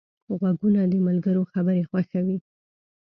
غوږونه د ملګرو خبرې خوښوي